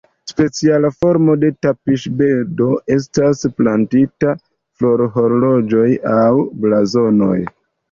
Speciala formo de tapiŝbedo estas plantitaj florhorloĝoj aŭ blazonoj.